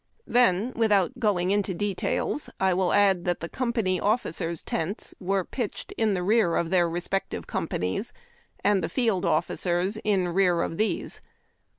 Then, without going into details, I will add that the com pany officers' tents were pitched in rear of their respective companies, and the field officers, in rear of these.